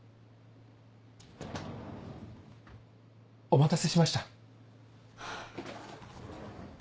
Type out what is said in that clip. お待たせしました。